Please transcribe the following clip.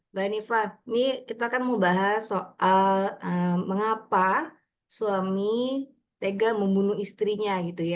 mbak hanifah ini kita akan membahas soal mengapa suami tega membunuh istrinya